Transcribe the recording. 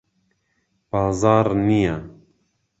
بازاڕ نییە.